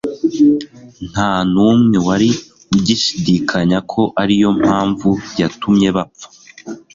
nta n'umwe wari ugishidikanya ko ari yo mpamvu yatumye bapfa